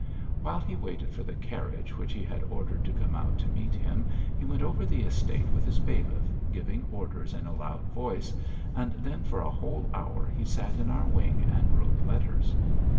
While he waited for the carriage which he had ordered to come out to meet him he went over the estate with his bailiff, giving orders in a loud voice, and then for a whole hour he sat in our wing and wrote letters.